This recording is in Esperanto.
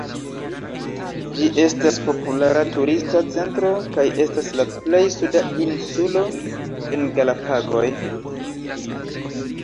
Ĝi estas populara turista centro, kaj estas la plej suda insulo en Galapagoj.